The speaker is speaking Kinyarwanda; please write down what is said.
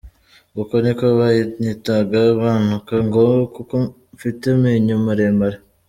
Uko “Niko banyitaga bantuka ngo kuko mfite amenyo maremare.